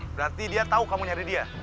berarti dia tahu kamu nyari dia